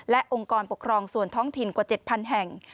และองค์กรปกครองส่วนท้องถิ่นกว่า๗๐๐แห่ง